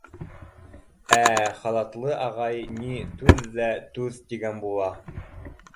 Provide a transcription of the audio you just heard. Ә халатлы ағай ни, түҙ ҙә, түҙ, тигән була.